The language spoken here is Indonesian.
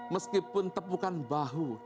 meskipun tepukan bahu